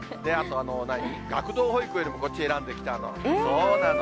学童保育よりもこっち選んできたの、そうなの。